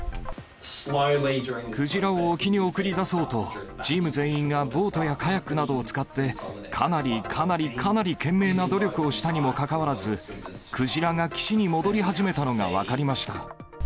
クジラを沖に送り出そうと、チーム全員がボートやカヤックなどを使って、かなりかなりかなり懸命な努力をしたにもかかわらず、クジラが岸に戻り始めたのが分かりました。